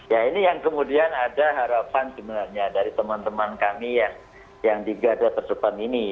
ya ini yang kemudian ada harapan sebenarnya dari teman teman kami yang di gada terdepan ini